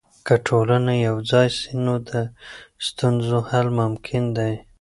که ټولنه یوځای سي، نو د ستونزو حل ممکن دی.